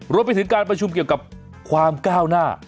รวมไปถึงการประชุมเกี่ยวกับความก้าวหน้า